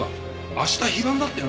明日非番だったよな？